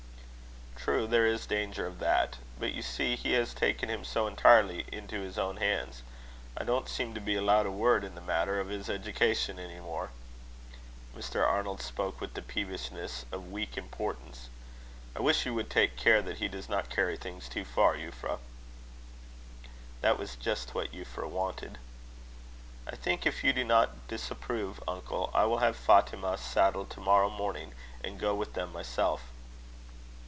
"True, there is danger of that. But you see he has taken him so entirely into his own hands. I don't seem to be allowed a word in the matter of his education any more." Mr. Arnold spoke with the peevishness of weak importance. "I wish you would take care that he does not carry things too far, Euphra." This was just what Euphra wanted. "I think, if you do not disapprove, uncle, I will have Fatima saddled to morrow morning, and go with them myself."